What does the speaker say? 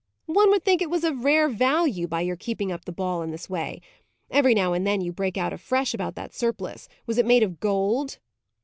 "One would think it was of rare value, by your keeping up the ball in this way. Every now and then you break out afresh about that surplice. Was it made of gold?"